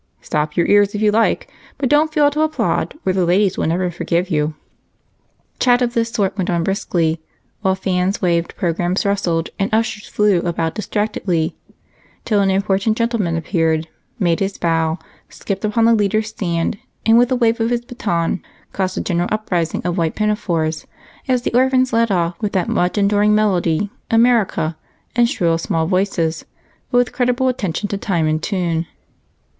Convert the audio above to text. Stop your ears if you like, but don't fail to applaud or the ladies will never forgive you." Chat of this sort went on briskly while fans waved, programs rustled, and ushers flew about distractedly, till an important gentleman appeared, made his bow, skipped upon the leader's stand, and with a wave of his baton caused a general uprising of white pinafores as the orphans led off with that much enduring melody "America" in shrill small voices, but with creditable attention to time and tune.